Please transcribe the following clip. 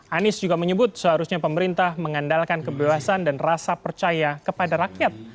anies juga menyebut seharusnya pemerintah mengandalkan kebebasan dan rasa percaya kepada rakyat